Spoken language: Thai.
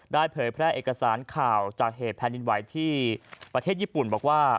เผยแพร่เอกสารข่าวจากเหตุแผ่นดินไหวที่ประเทศญี่ปุ่นบอกว่า